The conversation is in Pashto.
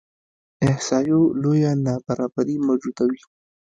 احصایو لویه نابرابري موجوده وي.